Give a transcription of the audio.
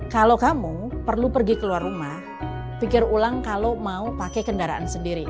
kalau kamu perlu pergi keluar rumah pikir ulang kalau mau pakai kendaraan sendiri